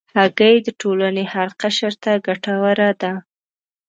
هګۍ د ټولنې هر قشر ته ګټوره ده.